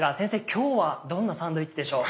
今日はどんなサンドイッチでしょう？